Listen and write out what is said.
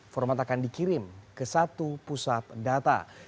format akan dikirim ke satu pusat data